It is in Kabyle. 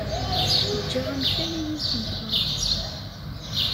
Tejja amkan i yiwet n temɣart.